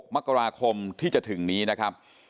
มกราคมที่จะถึงนี้นะครับ